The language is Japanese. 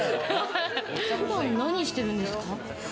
普段何してるんですか？